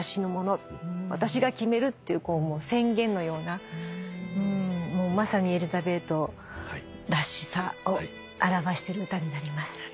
私が決めるっていう宣言のようなまさにエリザベートらしさを表してる歌になります。